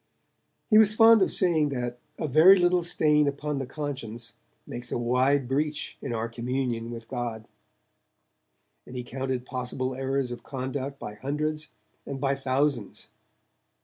He was fond of saying that 'a very little stain upon the conscience makes a wide breach in our communion with God', and he counted possible errors of conduct by hundreds and by thousands.